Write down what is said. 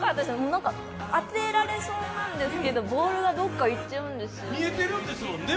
何か当てられそうなんですけどボールがどっか行っちゃうんですよね見えてるんですもんね